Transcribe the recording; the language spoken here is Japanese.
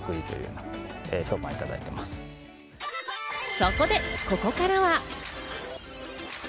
そこで、ここからは。